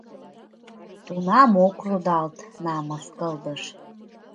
Тунам ок рудалт намыс кылдыш: